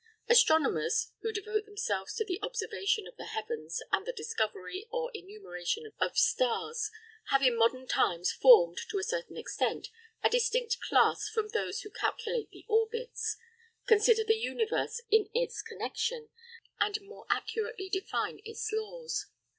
Astronomers, who devote themselves to the observation of the heavens and the discovery or enumeration of stars, have in modern times formed, to a certain extent, a distinct class from those who calculate the orbits, consider the universe in its connexion, and more accurately define its laws.